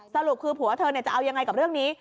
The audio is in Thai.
สรุปคือผัวเธอจะเอายังไงกับเรื่องนี้